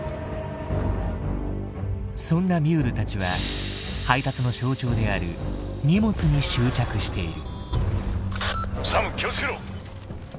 そんなミュールたちは配達の象徴である荷物に執着している。